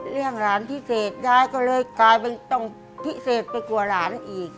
หลานพิเศษยายก็เลยกลายเป็นต้องพิเศษไปกว่าหลานอีก